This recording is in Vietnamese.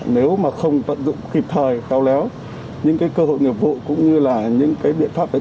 nếu mà không vận dụng kịp thời cao léo những cơ hội nghiệp vụ cũng như là những biện pháp